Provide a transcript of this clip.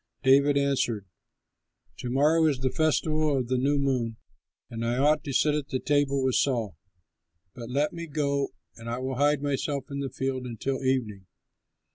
David answered, "To morrow is the festival of the New Moon and I ought to sit at the table with Saul, but let me go and I will hide myself in the field until evening.